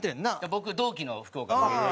僕同期の福岡の芸人。